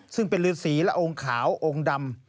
ซึ่งเป็นฤษีและองค์ขาวองค์ดำ